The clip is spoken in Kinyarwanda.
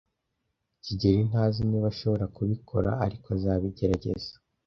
kigeli ntazi niba ashobora kubikora, ariko azabigerageza.